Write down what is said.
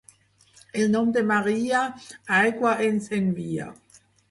El Nom de Maria aigua ens envia.